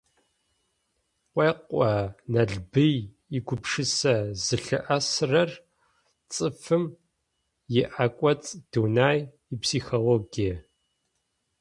Къуекъо Налбый игупшысэ зылъыӏэсрэр цӏыфым иӏэкӏоцӏ дунай, ипсихологие.